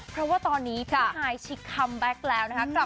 เพราะว่าตอนนี้พี่ฮายชิคคัมแบ็คแล้วนะคะ